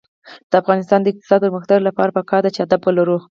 د افغانستان د اقتصادي پرمختګ لپاره پکار ده چې ادب ولرو.